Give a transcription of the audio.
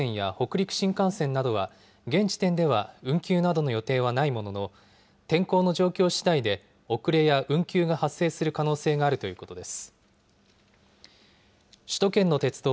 東北新幹線や北陸新幹線などは現時点では運休などの予定はないものの天候の状況次第で遅れや運休が発生する可能性があるということです。